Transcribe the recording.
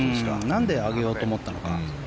なんで上げようと思ったのか。